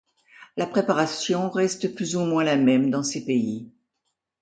La préparation reste plus ou moins la même dans ces pays.